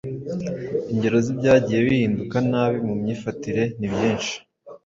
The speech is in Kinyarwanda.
Ingero z'ibyagiye bihinduka nabi mu myifatire ni byinshi